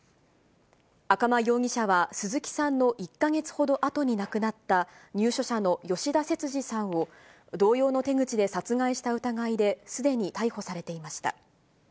赤間容疑者は鈴木さんの１か月ほどあとに亡くなった入所者の吉田節次さんを同様の手口で殺害した疑いですでに逮捕されていました。